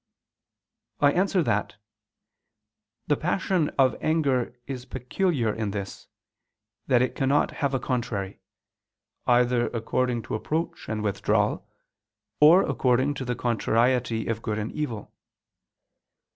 I answer that, The passion of anger is peculiar in this, that it cannot have a contrary, either according to approach and withdrawal, or according to the contrariety of good and evil.